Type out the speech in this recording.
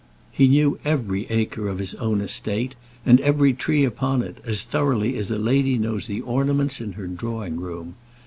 He knew every acre of his own estate, and every tree upon it, as thoroughly as a lady knows the ornaments in her drawing room.